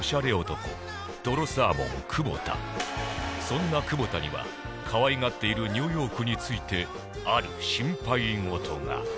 そんな久保田には可愛がっているニューヨークについてある心配事が